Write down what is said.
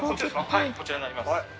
はいこちらになります。